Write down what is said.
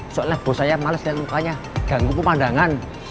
soalnya bos saya males liat mukanya ganggu pemandangan